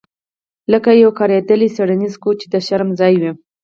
لکه یو کاریدلی څیړنیز کوچ چې د شرم ځای وي